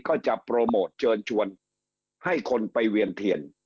ก็จะโปรโมทเชิญชวนให้คนไปเวียนเทียน